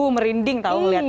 merinding tau liatnya